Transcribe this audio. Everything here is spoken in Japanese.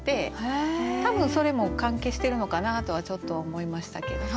多分それも関係してるのかなとはちょっと思いましたけども。